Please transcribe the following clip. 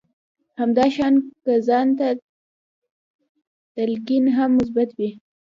همدا شان که ځان ته تلقين هم مثبت وي.